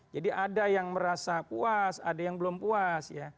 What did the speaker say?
jadi ada yang merasa puas ada yang belum puas